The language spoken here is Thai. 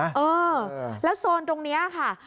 เออแล้วโซนตรงนี้ค่ะ